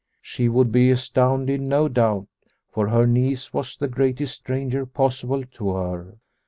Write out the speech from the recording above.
She would be astounded no doubt, for her niece was the greatest stranger possible to her.